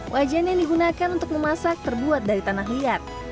wajan yang digunakan untuk memasak terbuat dari tanah liat